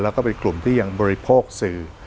แล้วก็เป็นกลุ่มที่ยังบริโภคสื่อ